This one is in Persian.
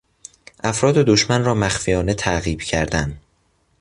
افراد دشمن را مخفیانه تعقیب کردن